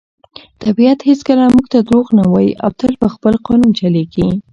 طبیعت هیڅکله موږ ته دروغ نه وایي او تل په خپل قانون چلیږي.